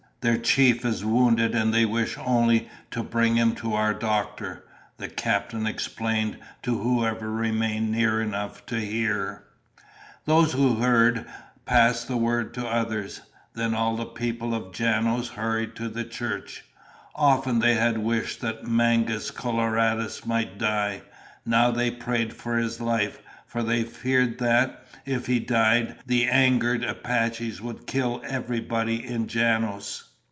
Their chief is wounded and they wish only to bring him to our doctor," the captain explained to whoever remained near enough to hear. Those who heard passed the word to others. Then all the people of Janos hurried to the church. Often they had wished that Mangus Coloradus might die. Now they prayed for his life, for they feared that, if he died, the angered Apaches would kill everybody in Janos.